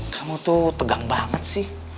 kamu tuh tegang banget sih